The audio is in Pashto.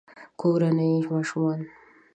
کورني ماشومان